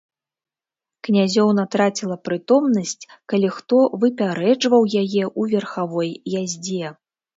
Князёўна траціла прытомнасць, калі хто выпярэджваў яе ў верхавой яздзе.